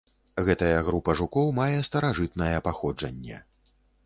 Гэтая група жукоў мае старажытнае паходжанне.